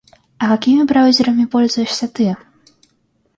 А какими браузерами пользуешься ты?